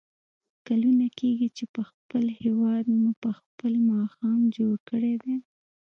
کلونه کېږي چې په خپل هېواد مو په خپله ماښام جوړ کړی دی.